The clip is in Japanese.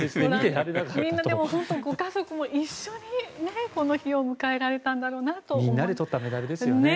みんなご家族も一緒にこの日を迎えられたんだろうなと思います。